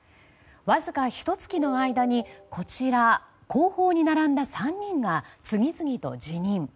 わずかひと月の間にこちら、後方に並んだ３人が次々と辞任。